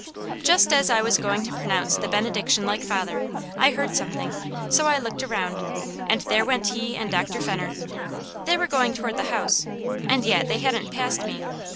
Just as I was going to pronounce the benediction like father, I heard something, so I looked around, and there went he and Dr. Fenner. They were going toward the house, and yet, they hadn't passed me.